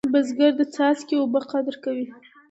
بزګر د څاڅکي اوبه قدر کوي